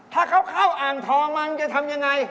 ถ้าเขาเข้าอ่างทองมันจะทำยังไง